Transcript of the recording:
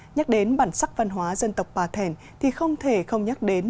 nhắc đến bản sắc văn hóa dân tộc bà thèn thì không thể không nhắc đến